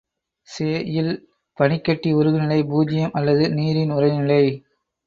செஇல் பனிக்கட்டி உருகுநிலை பூஜ்ஜியம் அல்லது நீரின் உறைநிலை.